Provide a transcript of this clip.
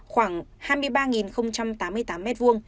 khoảng hai mươi ba tám mươi tám m hai